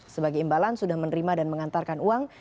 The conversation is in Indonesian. sebagai imbalan sudah menerima dan mengantarkan uang